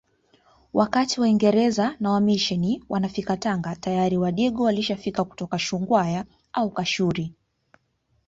Wakati waingereza na wamisheni wanafika Tanga tayari wadigo walishafika kutoka Shungwaya au kashuri